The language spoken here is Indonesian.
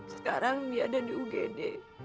sekarang dia ada di ugd